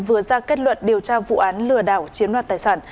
vừa ra kết luận điều tra vụ án lừa đảo chiếm đoạt tài sản